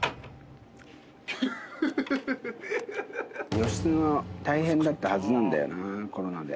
義経も大変だったはずなんだよなコロナで。